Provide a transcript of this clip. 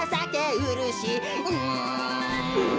うん。